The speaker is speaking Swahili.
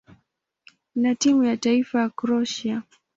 na timu ya taifa ya Kroatia.